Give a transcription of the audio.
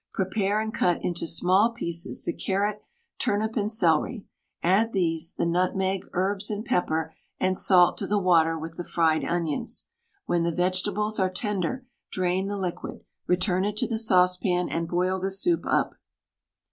Prepare and cut into small pieces the carrot, turnip, and celery; add these, the nutmeg, herbs, and pepper and salt to the water, with the fried onions. When the vegetables are tender drain the liquid; return it to the saucepan, and boil the soup up.